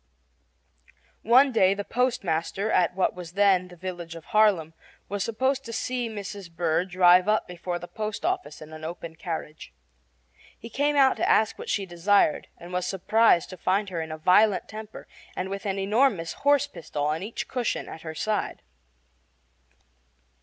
One day the post master at what was then the village of Harlem was surprised to see Mrs. Burr drive up before the post office in an open carriage. He came out to ask what she desired, and was surprised to find her in a violent temper and with an enormous horse pistol on each cushion at her side.